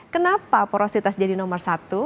kenapa porositas jadi nomor satu